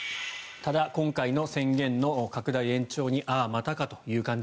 ただ、今回の宣言の拡大延長にああまたかという感じ。